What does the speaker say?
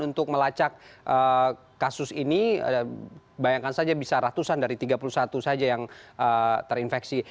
untuk melacak kasus ini bayangkan saja bisa ratusan dari tiga puluh satu saja yang terinfeksi